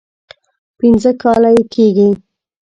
پنځه کاله یې کېږي.